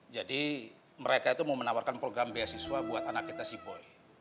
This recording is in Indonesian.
jadi mereka itu mau menawarkan program beasiswa buat anak kita si boy